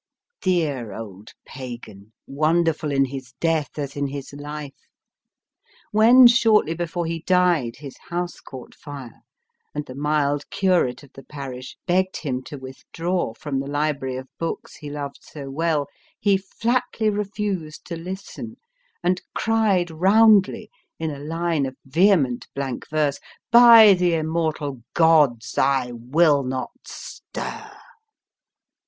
Dear old Pagan, wonder ful in his death as in his life. When, shortly before he died, his house caught fire, and the mild curate of the parish begged him to withdraw from the library of books he loved so well, he flatly refused to listen, and cried roundly, in a line of vehement blank verse, By the immortal gods, I will not stir